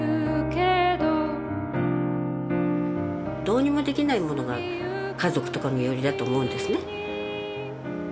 どうにもできないものが家族とか身寄りだと思うんですね。